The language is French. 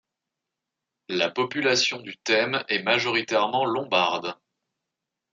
La population du thème est majoritairement lombarde.